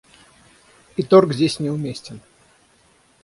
И торг здесь неуместен.